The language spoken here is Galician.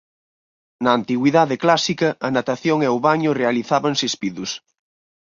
Na antigüidade clásica a natación e o baño realizábanse espidos.